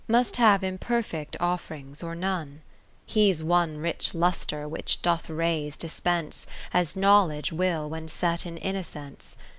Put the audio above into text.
Must have imperfect off'rings or none. He 's one rich lustre which doth rays dispense. As Knowledge will when set in Innocence.